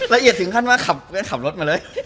ละเอียดถึงขั้นว่าขับรถมาเลย